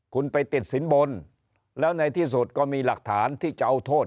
คุณไปติดสินบนแล้วในที่สุดก็มีหลักฐานที่จะเอาโทษ